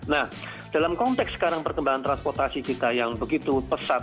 nah dalam konteks sekarang perkembangan transportasi kita yang begitu pesat